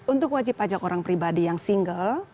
untuk wajib pajak orang pribadi yang single